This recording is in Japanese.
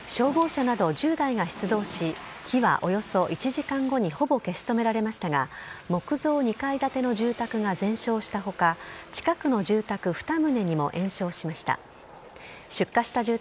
消防車など１０台が出動し、火はおよそ１時間後にほぼ消し止められましたが、木造２階建ての住宅が全焼したほか、近くの住宅２棟にも延焼しました。